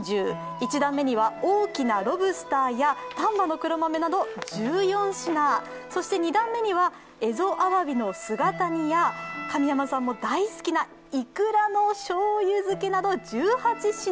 １段目には大きなロブスターや丹波の黒豆など１４品、そして２段目には蝦夷あわびの姿煮や神山さんも大好きないくらの醤油漬けなど１８品。